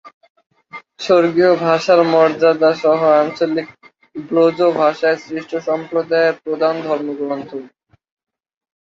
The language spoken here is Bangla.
স্বর্গীয় ভাষার মর্যাদা সহ আঞ্চলিক ব্রজভাষায় সৃষ্ট সম্প্রদায়ের প্রধান ধর্মগ্রন্থ।